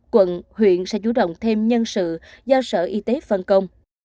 quận huyện sẽ chủ động thêm nhân sự do sở y tế phân công